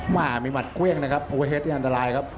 มามีมัดเวียงนะครับโอเวฮดนี่อันตรายครับ